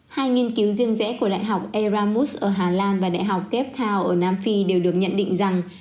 hai nghiên cứu riêng rẽ của đại học eramus ở hà lan và đại học cape town ở nam phi đều được nhận định rằng